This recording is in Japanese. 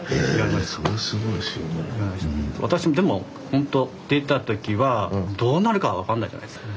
私もでもほんと出た時はどうなるかは分かんないじゃないですか。